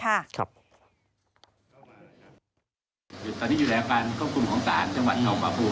ตอนนี้อยู่แหละการควบคุมของต่าง